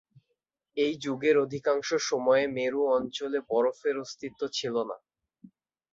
এই যুগের অধিকাংশ সময়ে মেরু অঞ্চলে বরফের অস্তিত্ব ছিল না।